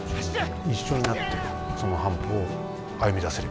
一緒になってその半歩を歩みだせればなと。